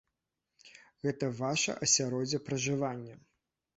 Гэта ваша асяроддзе пражывання.